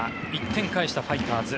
１点返したファイターズ。